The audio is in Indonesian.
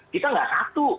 kita gak satu